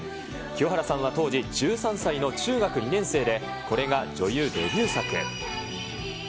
清原さんは当時１３歳の中学２年生で、これが女優デビュー作。